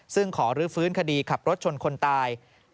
ซึ่งขอรื้อฟื้นคดีขับรถชนคนตาย